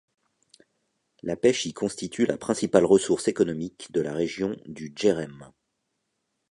La pêche y constitue la principale ressource économique de la région du Djérem.